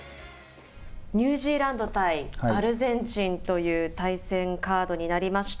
ニュージーランド対アルゼンチンという対戦カードになりました。